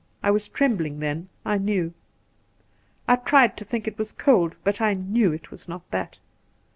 I was trembling then, I know. I tried to think it was cold, but I Tcnew it was not that.